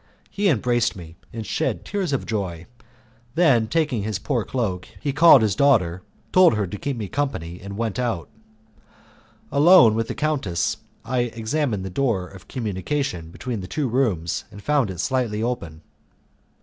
He embraced me, and shed tears of joy; then, taking his poor cloak, he called his daughter, told her to keep me company, and went out. Alone with the countess, I examined the door of communication between the two rooms and found it slightly open.